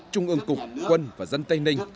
trung ương cục quân và dân tây ninh